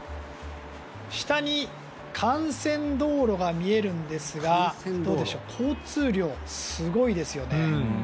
下に幹線道路が見えるんですがどうでしょう交通量、すごいですよね。